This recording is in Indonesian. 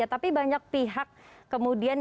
tapi banyak pihak kemudian